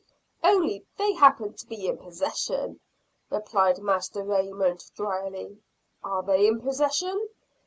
"Only they happen to be in possession," replied Master Raymond, drily. "Are they in possession?